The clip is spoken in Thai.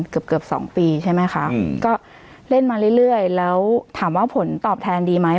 เกือบเกือบสองปีใช่ไหมคะก็เล่นมาเรื่อยแล้วถามว่าผลตอบแทนดีไหม